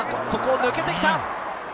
そこを抜けてきた！